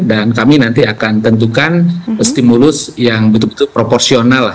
dan kami nanti akan tentukan stimulus yang betul betul proporsional